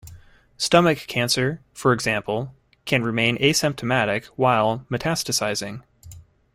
Stomach cancer, for example, can remain asymptomatic while metastasizing.